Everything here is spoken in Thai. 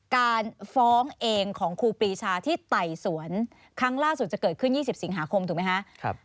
การฟ้องเองของครูปรีชาที่ไต่สวนครั้งล่าสุดจะเกิดขึ้น๒๐สิงหาคมถูกไหมคะ